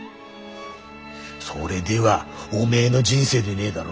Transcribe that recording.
それではおめえの人生でねえだろ？